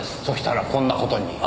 そしたらこんな事に。